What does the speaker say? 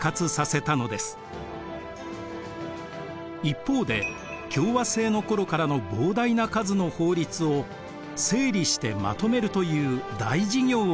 一方で共和政の頃からの膨大な数の法律を整理してまとめるという大事業を成し遂げます。